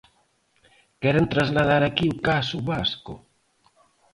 "Queren trasladar aquí o caso vasco".